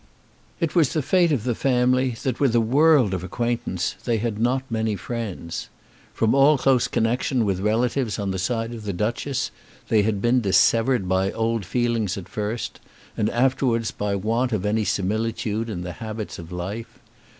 It was the fate of the family that, with a world of acquaintance, they had not many friends. From all close connection with relatives on the side of the Duchess they had been dissevered by old feelings at first, and afterwards by want of any similitude in the habits of life.